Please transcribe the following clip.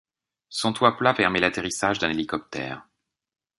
Son toit plat permet l'atterrissage d'un hélicoptère.